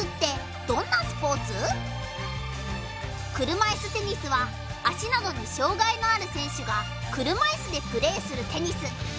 車いすテニスは足などに障害のある選手が車いすでプレーするテニス。